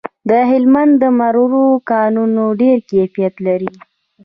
د هلمند د مرمرو کانونه ډیر کیفیت لري